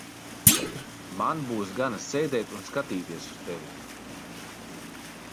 Man būs gana sēdēt un skatīties uz tevi.